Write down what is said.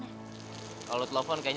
yaudah mari ikut saya